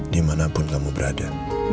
dimanapun kamu berada